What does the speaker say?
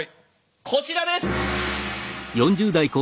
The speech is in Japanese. こちらです！